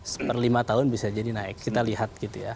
seperlima tahun bisa jadi naik kita lihat gitu ya